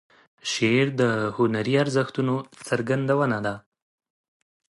شعر د هنري ارزښتونو څرګندونه ده.